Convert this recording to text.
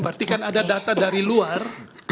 berarti kan ada data dari luar